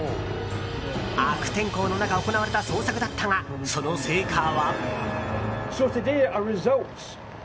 悪天候の中、行われた捜索だったが、その成果は。